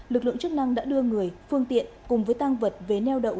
lực lượng chức năng đã đưa người phương tiện cùng với tăng vật về neo đậu